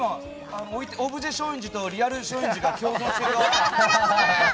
オブジェ松陰寺とリアル松陰寺が夢のコラボだ！